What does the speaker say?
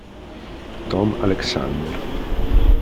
Tom Alexander